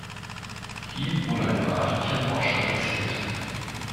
Hier wurde ein beachtlicher Fortschritt erzielt.